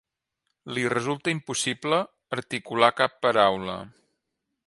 Li resulta impossible articular cap paraula.